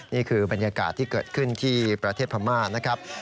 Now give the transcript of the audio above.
นี่คือบรรยากาศที่เกิดขึ้นที่ประเทศพม่านะครับ